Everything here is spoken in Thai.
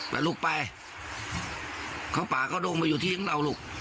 กลับไปที่นะ